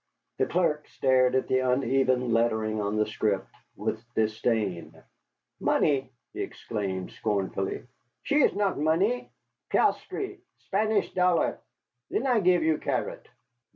The clerk stared at the uneven lettering on the scrip with disdain. "Money," he exclaimed scornfully, "she is not money. Piastre Spanish dollare then I give you carrot."